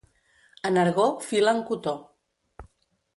A Nargó filen cotó.